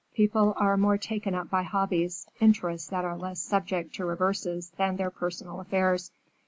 People are more taken up by hobbies, interests that are less subject to reverses than their personal affairs.